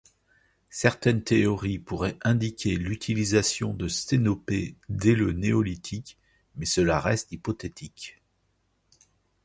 Certaines théories pourraient indiquer l'utilisation de sténopés dès le néolithique, mais cela reste hypothétique.